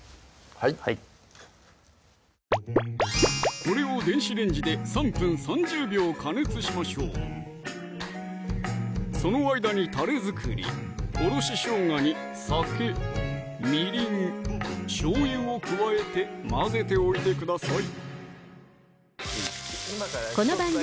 はいこれを電子レンジで３分３０秒加熱しましょうその間にたれ作りおろししょうがに酒・みりん・しょうゆを加えて混ぜておいてください